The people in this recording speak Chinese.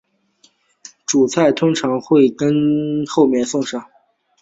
主菜通常会紧接着后面送上。